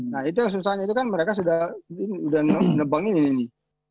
nah itu yang susahnya itu kan mereka sudah nebangin ini